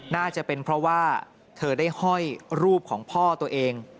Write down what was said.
น่าจะเป็นเพราะว่าเธอได้ห้อยรูปของพ่อตัวเอง